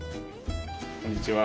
こんにちは。